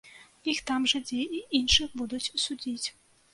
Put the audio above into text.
Іх там жа, дзе і іншых, будуць судзіць.